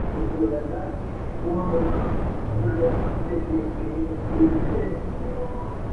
Su hábitat natural son los bosques de montaña de hoja ancha subtropicales.